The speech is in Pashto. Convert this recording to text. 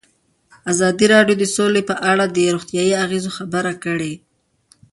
ازادي راډیو د سوله په اړه د روغتیایي اغېزو خبره کړې.